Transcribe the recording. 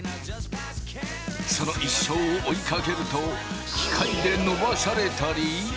その一生を追いかけると機械で伸ばされたり。